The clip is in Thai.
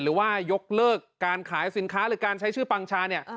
หรือว่ายกเลิกการขายสินค้าหรือการใช้ชื่อปังชาเนี่ย